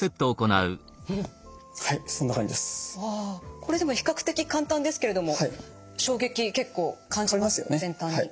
これでも比較的簡単ですけれども衝撃結構感じます全体に。